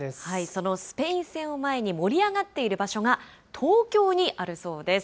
そのスペイン戦を前に、盛り上がっている場所が東京にあるそうです。